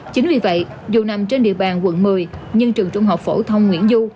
chính vì vậy dù nằm trên địa bàn quận một mươi nhưng trường trung học phổ thông nguyễn du